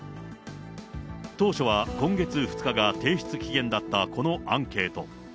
当初は今月２日が提出期限だったこのアンケート。